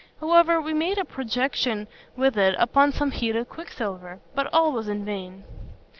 However, we made a projection with it upon some heated quicksilver; but all was in vain.